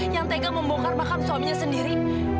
yang tegang membongkar paham suaminya sendiri